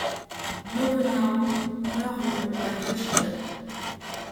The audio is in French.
Nobunao meurt le à Yoshida.